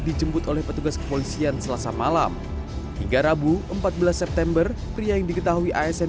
dijemput oleh petugas kepolisian selasa malam hingga rabu empat belas september pria yang diketahui asn